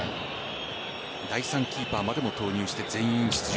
第３キーパーまでも投入して全員出場。